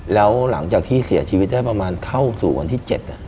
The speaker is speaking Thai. แล้วหลังจากที่เสียชีวิตได้ประมาณเข้าสู่วันที่๗